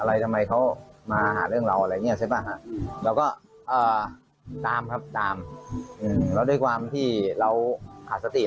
ทำไมเขามาหาเรื่องเราอะไรอย่างเงี้ใช่ป่ะฮะเราก็ตามครับตามแล้วด้วยความที่เราขาดสติ